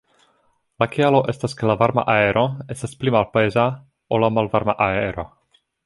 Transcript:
La kialo estas ke la varma aero estas pli malpeza ol la malvarma aero.